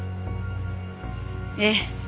ええ。